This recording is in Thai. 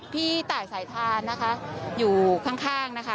พี่ตายสายทานนะคะอยู่ข้างนะคะ